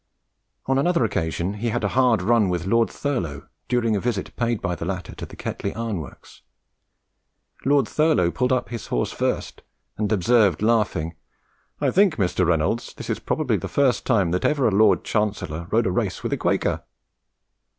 On another occasion he had a hard run with Lord Thurlow during a visit paid by the latter to the Ketley Iron Works. Lord Thurlow pulled up his horse first, and observed, laughing, "I think, Mr. Reynolds, this is probably the first time that ever a Lord Chancellor rode a race with a Quaker!"